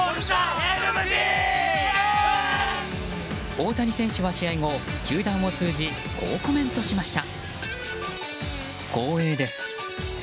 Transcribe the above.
大谷選手は試合後、球団を通じこうコメントしました。